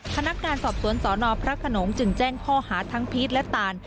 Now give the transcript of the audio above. พนักงานสอบสวนสนพระขนงจึงแจ้งข้อหาทั้งพีชและตาน